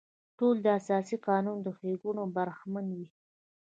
ټول د اساسي قانون له ښېګڼو برخمن وي.